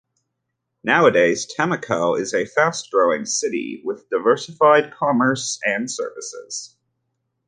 Nowadays, Temuco is a fast growing city with diversified commerce and services.